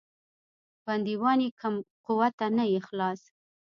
بندیوان یې کم قوته نه یې خلاص.